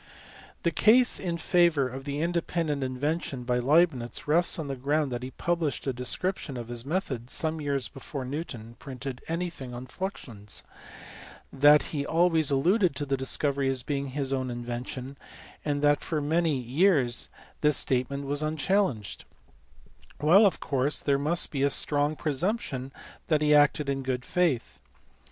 The case in favour of the independent invention by Leibnitz rests on the ground that he published a description of his method some years before Newton printed anything on fluxions, that he always alluded to the discovery as being his own invention, and that for many years this statement was unchallenged ; while of course there must be a strong pre sumption that he acted in good faith.